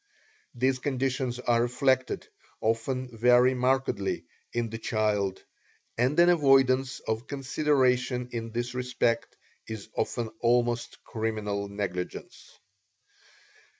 These conditions are reflected, often very markedly, in the child, and an avoidance of consideration in this respect is often almost criminal negligence.